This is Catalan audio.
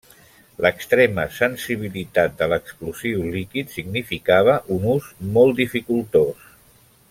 L'extrema sensibilitat de l'explosiu líquid significava un ús molt dificultós.